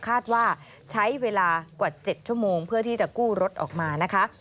คาดว่าใช้เวลากว่า๗ชั่วโมงเพื่อที่จะกู้รถออกมานะคะ